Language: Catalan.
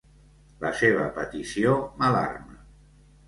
La seva petició m'alarma.